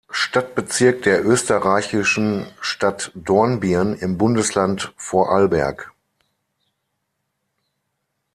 Stadtbezirk der österreichischen Stadt Dornbirn im Bundesland Vorarlberg.